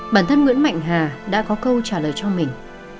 bản thân nguyễn mạnh hà đã có câu trả lời cho mình